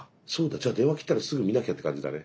じゃあ電話切ったらすぐ見なきゃって感じだね。